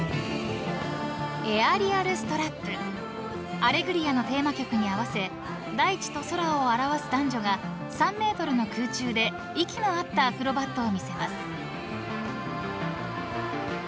［『アレグリア』のテーマ曲に合わせ大地と空を表す男女が３ｍの空中で息の合ったアクロバットを見せます］